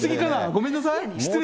ごめんなさい、失礼。